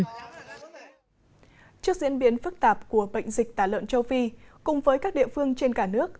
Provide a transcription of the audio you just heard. trước diễn biến phức tạp của bệnh dịch tả lợn châu phi cùng với các địa phương trên cả nước